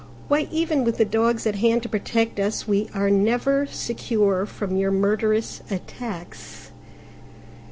Why, even with the dogs at hand to protect us, we are never secure from your murderous attacks!"